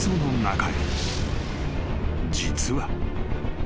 ［実は］